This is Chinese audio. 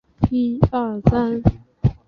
曾是美国航空和美鹰航空的枢杻港。